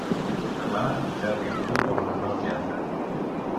Demà en Telm i en Bru volen anar al teatre.